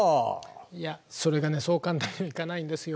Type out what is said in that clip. いやそれがねそう簡単にいかないんですよ。